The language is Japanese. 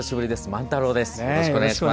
万太郎です。